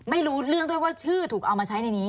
ไม่รู้เรื่องด้วยว่าชื่อถูกเอามาใช้ในนี้